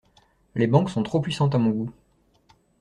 Les banque sont trop puissantes à mon goût.